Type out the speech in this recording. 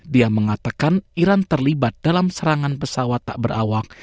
dia mengatakan iran terlibat dalam serangan pesawat tak berawak